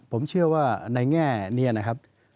ผมเชื่อว่าในแง่นี้นะครับ